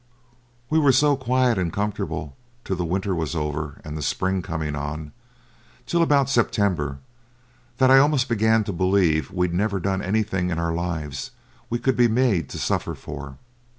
We were so quiet and comfortable till the winter was over and the spring coming on, till about September, that I almost began to believe we'd never done anything in our lives we could be made to suffer for.